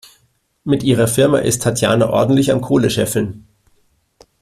Mit ihrer Firma ist Tatjana ordentlich am Kohle scheffeln.